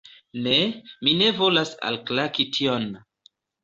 Ne, mi ne volas alklaki tion!